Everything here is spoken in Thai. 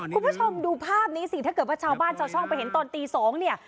คุณผู้ชมดูภาพนี้สิถ้าเกิดว่าชาวบ้านชาวช่องไปเห็นตอนตี๒เนี่ย